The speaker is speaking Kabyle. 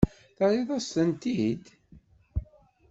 Terriḍ-asent-tent-id.